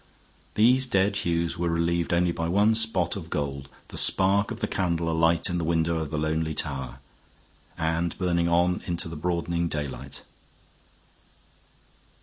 These dead hues were relieved only by one spot of gold the spark of the candle alight in the window of the lonely tower, and burning on into the broadening daylight.